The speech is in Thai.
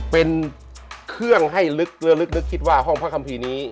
เป็นเครื่องให้ลึกและลึกคิดว่าห้องพระคัมภีร์นี้